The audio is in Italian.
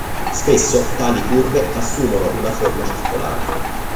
Spesso tali curve assumono una forma circolare.